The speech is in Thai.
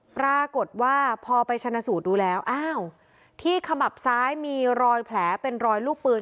ปรากฏว่าพอไปชนะสูตรดูแล้วอ้าวที่ขมับซ้ายมีรอยแผลเป็นรอยลูกปืน